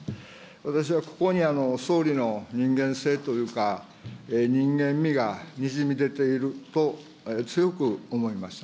私はここに総理の人間性というか、人間味がにじみ出ていると強く思いました。